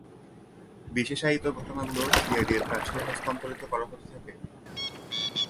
বিশেষায়িত ঘটনাগুলো সিআইডি এর কাছে হস্তান্তরিত করা হতে থাকে।